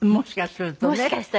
もしかするとね。